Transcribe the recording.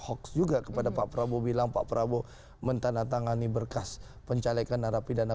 hoax juga kepada pak prabowo bilang pak prabowo mentandatangani berkas pencalekan narapidana